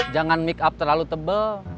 jangan make up terlalu tebal